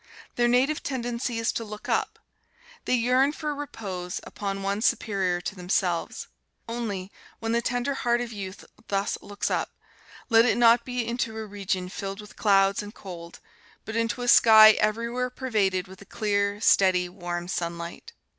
Their native tendency is to look up. They yearn for repose upon one superior to themselves. Only, when the tender heart of youth thus looks up, let it not be into a region filled with clouds and cold, but into a sky everywhere pervaded with a clear, steady, warm sunlight.